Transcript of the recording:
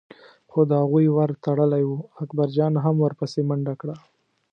خو د هغوی ور تړلی و، اکبرجان هم ور پسې منډه کړه.